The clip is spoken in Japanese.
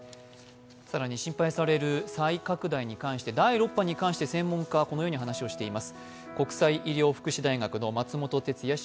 更に心配される再拡大について、第６波に関して専門家はこのように話をしています。